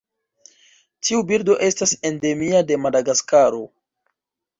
Tiu birdo estas endemia de Madagaskaro.